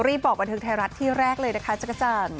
รีบบอกวันทึกไทยรัฐที่แรกเลยนะคะจักรจัน